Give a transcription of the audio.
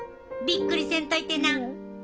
びっくりせんといてな。